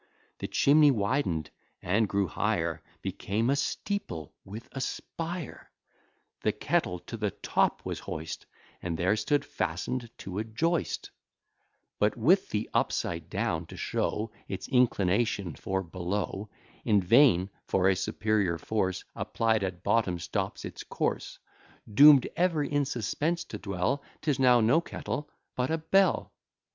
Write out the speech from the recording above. The chimney widen'd, and grew higher Became a steeple with a spire. The kettle to the top was hoist, And there stood fasten'd to a joist, But with the upside down, to show Its inclination for below: In vain; for a superior force Applied at bottom stops its course: Doom'd ever in suspense to dwell, 'Tis now no kettle, but a bell.